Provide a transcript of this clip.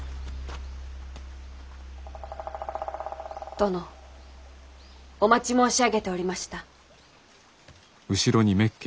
殿お待ち申し上げておりました。